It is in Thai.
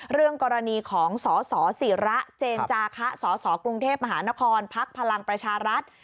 เรื่องกรณีของสสิระเจนจาคะสสกรุงเทพมหานครพักพลังประชารัฐ